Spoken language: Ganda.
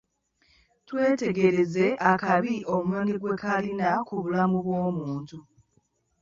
Twetegereze akabi omwenge gwe kalina ku bulamu bw'omuntu.